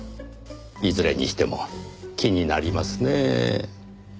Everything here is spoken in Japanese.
いずれにしても気になりますねぇ。